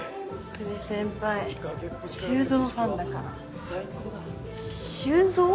久慈先輩修造ファンだから修造？